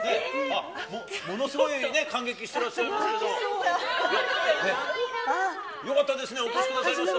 ものすごい感激してらっしゃいますけど。よかったですね、お越しくださいました。